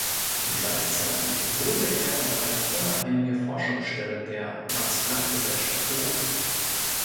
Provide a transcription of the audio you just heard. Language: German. Gleichzeitig wurde er auf eine unabhängige Forschungsstelle der Max-Planck-Gesellschaft berufen.